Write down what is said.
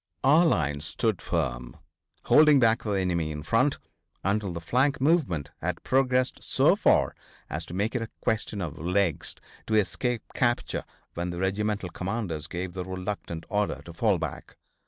Our line stood firm, holding back the enemy in front until the flank movement had progressed so far as to make it a question of legs to escape capture when the regimental commanders gave the reluctant order to fall back.